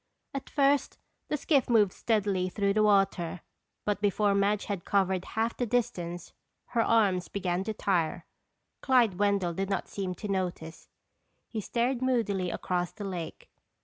At first the skiff moved steadily through the water but before Madge had covered half the distance her arms began to tire. Clyde Wendell did not seem to notice. He stared moodily across the lake.